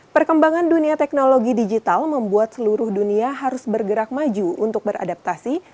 perkembangan dunia teknologi digital membuat seluruh dunia harus bergerak maju untuk beradaptasi